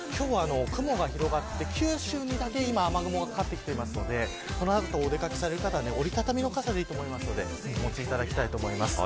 今日は雲が広がって九州にだけ今、雨雲がかかっているのでこの後、お出掛けされる方折り畳み傘をお持ちいただきたいと思います。